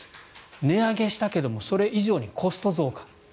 値上げしたけどもそれ以上にコスト増加。